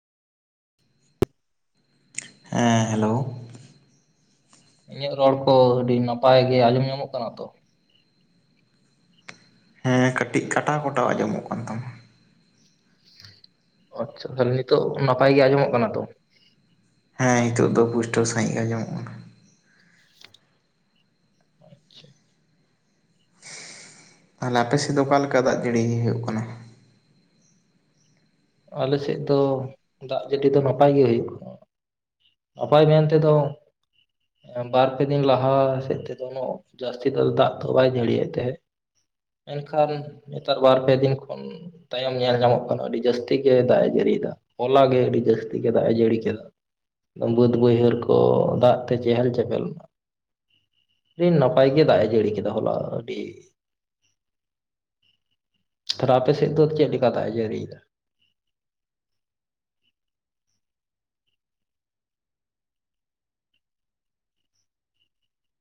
ᱦᱮᱸ ᱦᱮᱞᱳ᱾ ᱤᱧᱟᱹᱜ ᱨᱚᱲ ᱠᱚ ᱟᱹᱰᱤ ᱱᱟᱯᱟᱭ ᱜᱮ ᱟᱸᱡᱚᱢ ᱧᱟᱢᱚᱜ ᱠᱟᱱᱟ ᱛᱚ? ᱦᱮᱸ ᱠᱟᱹᱴᱤᱡ ᱠᱟᱴᱟᱣ ᱠᱚᱴᱟᱣ ᱟᱸᱡᱚᱢᱚᱜ ᱠᱟᱱ ᱛᱟᱢᱟ᱾ ᱟᱪᱪᱷᱟ ᱛᱟᱦᱚᱞᱮ ᱱᱤᱛᱳᱜ ᱱᱟᱯᱟᱭ ᱜᱮ ᱟᱸᱡᱚᱢᱚᱜ ᱠᱟᱱᱟ ᱛᱚ? ᱦᱮᱸ ᱱᱤᱛᱚᱜ ᱫᱚ ᱯᱩᱥᱴᱟᱹᱣ ᱥᱟᱹᱦᱤᱡ ᱟᱸᱡᱚᱢᱚᱜ ᱠᱟᱱᱟ᱾ ᱟᱪᱪᱷᱟ᱾ ᱛᱟᱦᱚᱞᱮ ᱟᱯᱮ ᱥᱮᱫ ᱫᱚ ᱚᱠᱟ ᱞᱮᱠᱟ ᱫᱟᱜ ᱡᱟᱹᱲᱤ ᱦᱩᱭᱩᱜ ᱠᱟᱱᱟ᱾ ᱟᱞᱮ ᱥᱮᱫ ᱫᱚ ᱫᱟᱜ ᱡᱟᱹᱲᱤ ᱫᱚ ᱱᱟᱯᱟᱭ ᱜᱮ ᱦᱩᱭᱩᱜ ᱠᱟᱱᱟᱼᱟ᱾ ᱱᱟᱯᱟᱭ ᱢᱮᱱ ᱛᱮᱫᱚ ᱵᱟᱨ ᱯᱮ ᱫᱤᱱ ᱞᱟᱦᱟ ᱥᱮᱫ ᱛᱮᱫᱚ ᱩᱱᱟᱹᱜ ᱡᱟᱹᱥᱛᱤ ᱛ ᱫᱟᱜ ᱫᱚ ᱵᱟᱭ ᱡᱟᱹᱲᱤᱭᱮᱫ ᱛᱟᱦᱮᱸᱫ, ᱮᱱᱠᱷᱟᱱ ᱱᱮᱛᱟᱨ ᱵᱟᱨ ᱯᱮ ᱫᱤᱱ ᱠᱷᱚᱱ ᱛᱟᱭᱚᱢ ᱧᱮᱞ ᱧᱟᱢᱚᱜ ᱠᱟᱱᱟ ᱟᱹᱰᱤ ᱡᱟᱹᱥ ᱛᱤ ᱜᱮ ᱫᱟᱜ ᱡᱟᱹᱲᱤᱭᱫᱟ ᱦᱚᱞᱟ ᱜᱮ ᱟᱹᱰᱤ ᱡᱟᱹᱥᱛᱤ ᱜᱮ ᱫᱟᱭ ᱡᱟᱹᱲᱤ ᱠᱮᱫᱮᱫ᱾ ᱵᱟᱹᱫ ᱵᱟᱹᱭᱦᱟᱹᱲ ᱠᱚ ᱫᱟᱜ ᱛᱮ ᱪᱮᱦᱮᱞ ᱪᱮᱯᱮᱞ ᱱᱟ᱾ ᱟᱹᱰᱤ ᱱᱟᱯᱟᱭ ᱜᱮ ᱫᱟᱜ ᱮ ᱡᱟᱹᱲᱤ ᱠᱮᱫᱟ ᱦᱚᱞᱟ ᱟᱹᱰᱤ ᱛᱟᱦᱞᱮ ᱟᱯᱮ ᱥᱮ ᱫᱚ ᱪᱮᱫ ᱞᱮᱠᱟ ᱫᱟᱜ ᱮ ᱡᱟᱹᱲᱤᱭ ᱫᱟ?